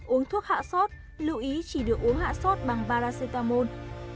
uống thuốc hạ sốt lưu ý chỉ được uống hạ sốt bằng paracetamol